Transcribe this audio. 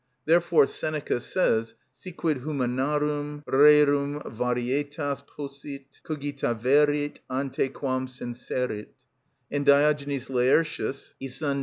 Therefore Seneca says (Ep. 98): "Si, quid humanarum rerum varietas possit, cogitaverit, ante quam senserit," and Diogenes Laertius (vii. 1.